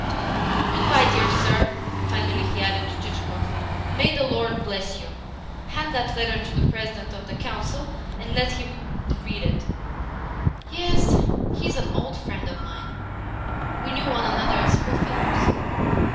"Good bye, dear sir," finally he added to Chichikov. "May the Lord bless you! Hand that letter to the President of the Council, and let him read it. Yes, he is an old friend of mine. We knew one another as schoolfellows."